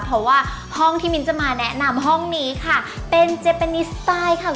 เพราะว่าห้องที่มิ้นจะมาแนะนำห้องนี้ค่ะเป็นเจเปนิสไตล์ค่ะ